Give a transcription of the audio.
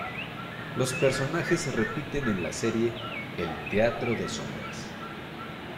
Los personajes se repiten en la serie "El teatro de sombras".